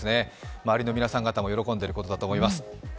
周りの皆さん方も喜んでいることだと思います。